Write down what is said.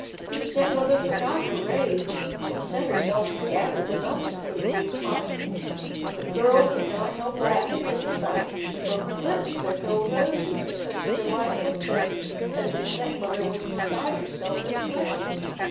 The step mother forgot her rage, and set herself to gather them up as quickly as possible. The girl could not help laughing at the sight, and from her lips there fell roses of such a delightful scent that the step mother was beside herself with pleasure.